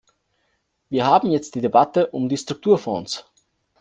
Wir haben jetzt die Debatte um die Strukturfonds.